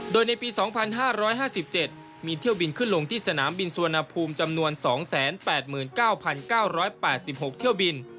โดยในปี๒๕๕๗มีเที่ยวบินขึ้นลงที่สนามบินสุวรรณภูมิจำนวน๒๘๙๙๘๖เที่ยวบิน